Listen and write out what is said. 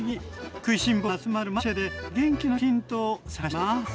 食いしん坊が集まるマルシェで元気のヒントを探します。